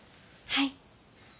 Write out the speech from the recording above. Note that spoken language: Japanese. はい。